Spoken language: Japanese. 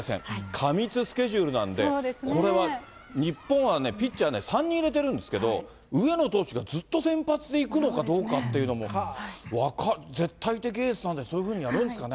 過密スケジュールなんで、これは日本はね、ピッチャーね、３人入れてるんですけど、上野投手がずっと先発でいくのかどうかっていうのも、絶対的エースなんで、そういうふうにやるんですかね。